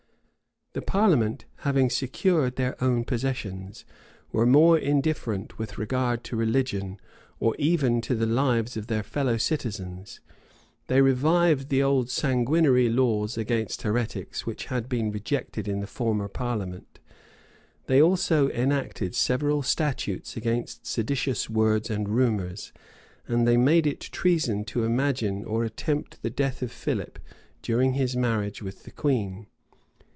[*] The parliament, having secured their own possessions, were more indifferent with regard to religion, or even to the lives of their fellow citizens: they revived the old sanguinary laws against heretics,[] which had been rejected in the former parliament: they also enacted several statutes against seditious words and rumors;[] and they made it treason to imagine or attempt the death of Philip during his marriage with the queen.